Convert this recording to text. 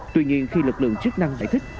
tuy nhiên khi lực lượng chức năng giải thích